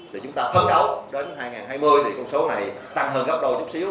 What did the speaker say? thì chúng ta phấn đấu đến hai nghìn hai mươi thì con số này tăng hơn góc độ chút xíu